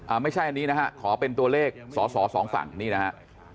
ไม่ใช่อันนี้นะฮะขอเป็นตัวเลขสอสอสองฝั่งนี่นะฮะ